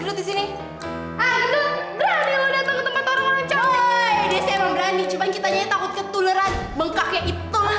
woyy desi emang berani cuman kita nyanyi takut ketuliran bengkaknya itu loh